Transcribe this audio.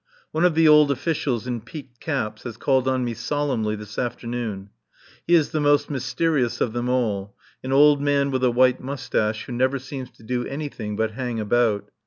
One of the old officials in peaked caps has called on me solemnly this afternoon. He is the most mysterious of them all, an old man with a white moustache, who never seems to do anything but hang about.